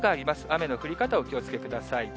雨の降り方、お気をつけください。